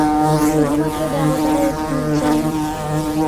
শুধুমাত্র দেবতারা এর খোঁজ জানে।